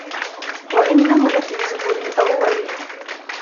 وإنه لفي زبر الأولين